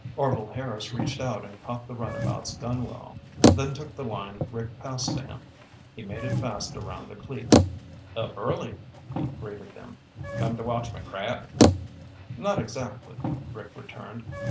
Orvil Harris reached out and caught the runabout's gunwale, then took the line Rick passed to him. He made it fast around a cleat. "Up early," he greeted them. "Come to watch me crab?" "Not exactly," Rick returned.